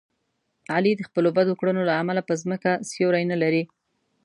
علي د خپلو بدو کړنو له امله په ځمکه سیوری نه لري.